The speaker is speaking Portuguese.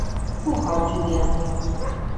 Curral de Dentro